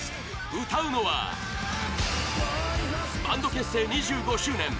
歌うのはバンド結成２５周年！